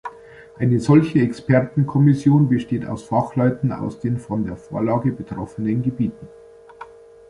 Eine solche Expertenkommission besteht aus Fachleuten aus den von der Vorlage betroffenen Gebieten.